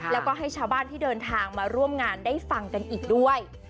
แล้วก็ให้ชาวบ้านที่เดินทางมาร่วมงานได้ฟังกันอีกด้วย